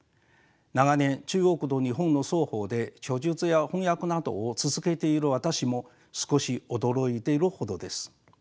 長年中国と日本の双方で著述や翻訳などを続けている私も少し驚いているほどです。